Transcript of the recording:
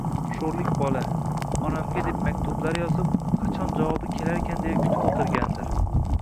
Sho`rlik bola, onamga deb maktublar yozib, qachon javobi kelarkan deya kutib o`tirgandir